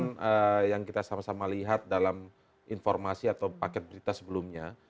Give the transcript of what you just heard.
mulai dari pernyataan yang kita sama sama lihat dalam informasi atau paket berita sebelumnya